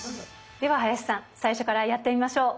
では林さん最初からやってみましょう！